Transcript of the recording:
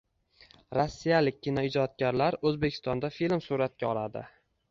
Rossiyalik kinoijodkorlar Oʻzbekistonda film suratga oladi